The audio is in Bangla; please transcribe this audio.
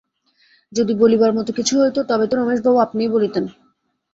যদি বলিবার মতো কিছু হইত, তবে তো রমেশবাবু আপনিই বলিতেন।